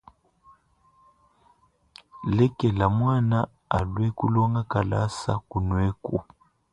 Lekela muana alue kulonga kalasa kunueku.